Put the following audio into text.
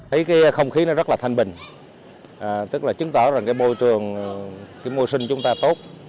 thấy cái không khí nó rất là thanh bình tức là chứng tỏ rằng cái môi trường cái môi sinh chúng ta tốt